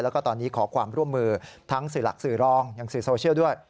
แล้วก็ตอนนี้ขอความร่วมมือทั้งสื่อหลักสื่อรองอย่างสื่อโซเชียลด้วย